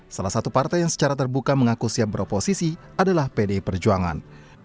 salah satu partai yang secara terbuka mengaku siap beroposisi adalah pdi perjuangan